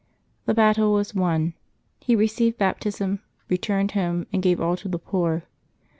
The battle was won. He received baptism, re turned home, and gave all to the poor.